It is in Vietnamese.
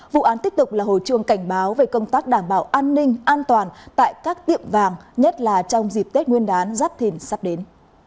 vụ án tiếp tục là hồi chuông cảnh báo về công tác đảm bảo an ninh an toàn tại các tiệm vàng nhất là trong dịp tết nguyên đán giáp thìn sắp đến